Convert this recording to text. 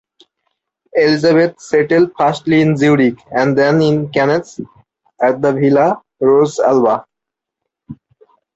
Elisabeth settled firstly in Zurich and then in Cannes, at the "Villa Rose Alba".